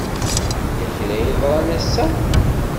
Yella kra ay yeḍran ass-a?